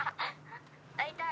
会いたい！